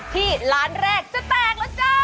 ที่ร้านแรกจะแตกแล้วจ้า